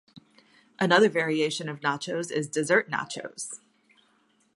Another variation of nachos is Dessert Nachos.